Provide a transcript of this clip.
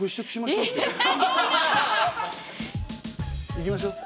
いきましょう。